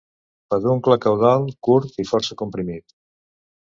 Peduncle caudal curt i força comprimit.